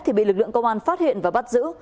thì bị lực lượng công an phát hiện và bắt giữ